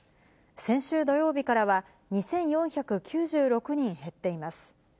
先週土曜日からは２４９６人減っています。